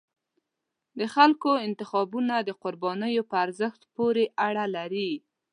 د خلکو انتخابونه د قربانیو په ارزښت پورې اړه لري